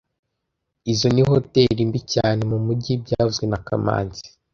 Izoi ni hoteri mbi cyane mumujyi byavuzwe na kamanzi